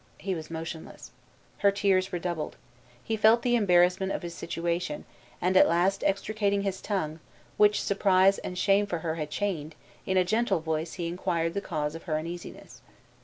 He was motionless. Her tears redoubled. He felt the embarrassment of his situation; and at last extricating his tongue, which surprise and shame for her had chained, in a gentle voice he inquired the cause of her uneasiness.